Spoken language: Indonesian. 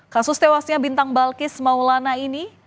kasus tewasnya bintang balkis maulana ini